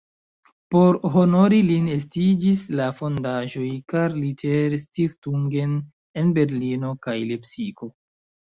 Por honori lin estiĝis la fondaĵoj "Karl Ritter-Stiftungen" en Berlino kaj Lepsiko.